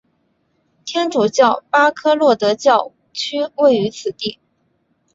天主教巴科洛德教区位于此地。